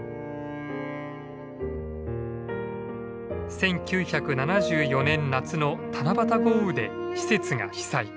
１９７４年夏の七夕豪雨で施設が被災。